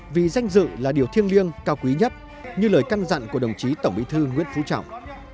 vì danh dự là điều thiêng liêng cao quý nhất như lời căn dặn của đồng chí tổng bí thư nguyễn phú trọng